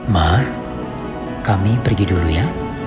ma kami pergi dulu ya